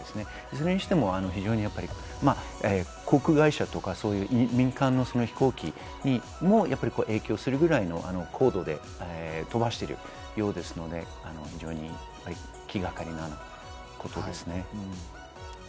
いずれにしても航空会社とか民間の飛行機にも影響するぐらいの高度で飛ばしているようですので、非常に気がかりなことです。